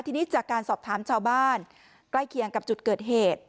ทีนี้จากการสอบถามชาวบ้านใกล้เคียงกับจุดเกิดเหตุ